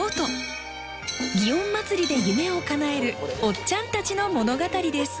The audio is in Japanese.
園祭で夢をかなえるおっちゃんたちの物語です。